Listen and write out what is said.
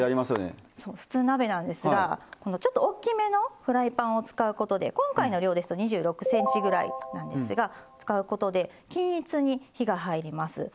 そう普通鍋なんですがちょっと大きめのフライパンを使うことで今回の量ですと２６ｃｍぐらいなんですが使うことで均一に火が入ります。